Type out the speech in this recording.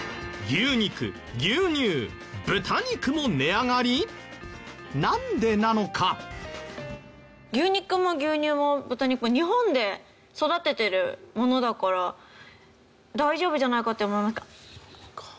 牛肉も牛乳も豚肉も日本で育ててるものだから大丈夫じゃないかって思いました。